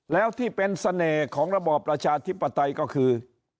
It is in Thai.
แล้วที่เป็นเสน่ห์ของระบอบประชาธิปไตยก็คือ